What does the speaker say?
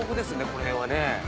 この辺はね。